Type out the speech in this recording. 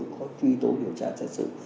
có truy tố điều tra xét xử